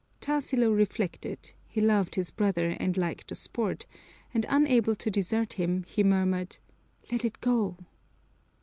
Tarsilo reflected: he loved his brother and liked the sport, and, unable to desert him, he murmured, "Let it go."